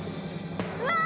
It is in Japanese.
うわ！